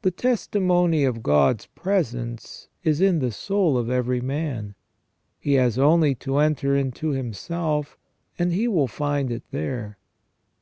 The testi mony of God's presence is in the soul of every man ; he has only to enter into himself, and he will find it there.